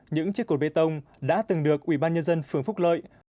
những chiếc cột bê tông đã từng được ủy ban nhân dân phường phúc lợi